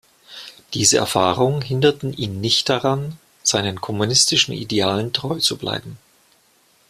Diese Erfahrungen hinderten ihn nicht daran, seinen kommunistischen Idealen treu zu bleiben.